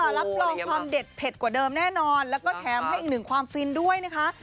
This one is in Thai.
รับรองความเด็ดเผ็ดกว่าเดิมแน่นอนแล้วก็แถมให้อีกหนึ่งความฟินด้วยนะคะ